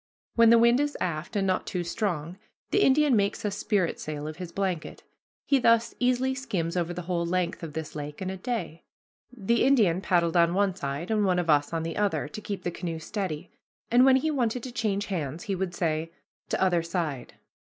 When the wind is aft, and not too strong, the Indian makes a spritsail of his blanket. He thus easily skims over the whole length of this lake in a day. The Indian paddled on one side, and one of us on the other, to keep the canoe steady, and when he wanted to change hands he would say, "T' other side."